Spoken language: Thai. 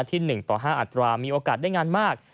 ที่๑ต่อ๕อัตรามีโอกาสได้งานมาก